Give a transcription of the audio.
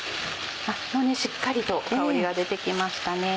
もうしっかりと香りが出てきましたね。